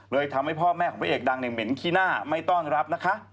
ทำให้พ่อแม่ของพระเอกดังเหม็นขี้หน้าไม่ต้อนรับนะคะ